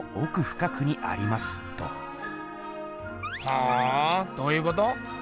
ほおどういうこと？